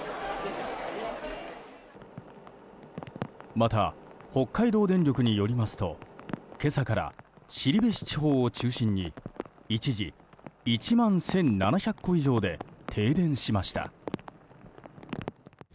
また、北海道電力によりますと今朝から後志地方を中心に一時、最大１万１７００戸以上で停電しました。